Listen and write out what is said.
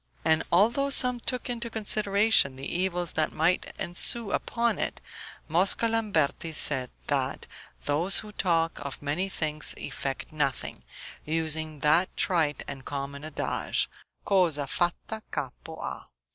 And although some took into consideration the evils that might ensue upon it, Mosca Lamberti said, that those who talk of many things effect nothing, using that trite and common adage, Cosa fatta capo ha.